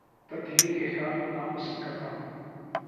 تبدیلی کے خیال کو نا پسند کرتا ہوں